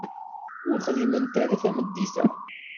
Ur xdiment ara tameddit-a.